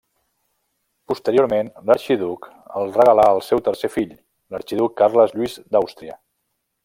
Posteriorment, l'arxiduc el regalà al seu tercer fill, l'arxiduc Carles Lluís d'Àustria.